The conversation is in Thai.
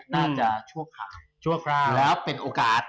น่าจะชั่วคราวแล้วเป็นโอกาส